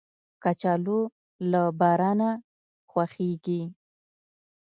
کچالو له بارانه خوښیږي